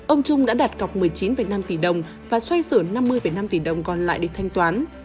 ông trung đã đặt cọc một mươi chín năm tỷ đồng và xoay sửa năm mươi năm tỷ đồng còn lại để thanh toán